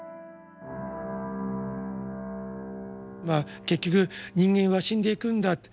まあ結局人間は死んでいくんだ。